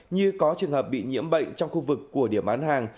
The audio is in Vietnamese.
như có trường hợp bị nhiễm bệnh trong khu vực của điểm bán hàng